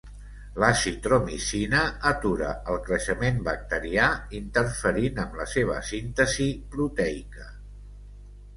L'azitromicina atura el creixement bacterià interferint amb la seva síntesi proteica.